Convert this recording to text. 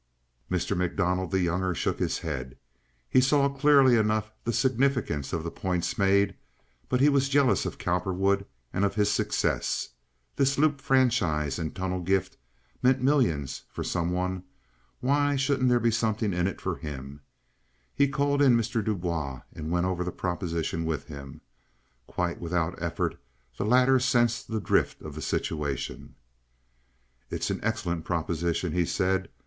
Mr. MacDonald, the younger, shook his head. He saw clearly enough the significance of the points made, but he was jealous of Cowperwood and of his success. This loop franchise and tunnel gift meant millions for some one. Why shouldn't there be something in it for him? He called in Mr. Du Bois and went over the proposition with him. Quite without effort the latter sensed the drift of the situation. "It's an excellent proposition," he said.